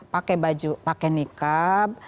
pakai baju pakai niqab